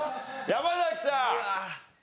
山崎さん。